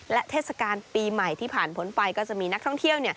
และเทศกาลปีใหม่ที่ผ่านพ้นไปก็จะมีนักท่องเที่ยว